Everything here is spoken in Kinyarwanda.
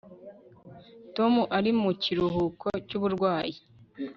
Tom ari mu kiruhuko cyuburwayi